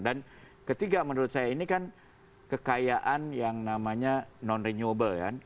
dan ketiga menurut saya ini kan kekayaan yang namanya non renewable kan